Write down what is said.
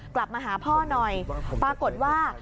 กลับมาหาพ่อหน่อยปรากฏว่า